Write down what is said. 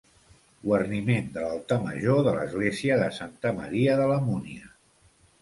Guarniment de l'altar major de l'Església de Santa Maria de la Múnia.